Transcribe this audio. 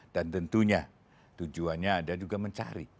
dan tentunya tujuannya adalah juga mencari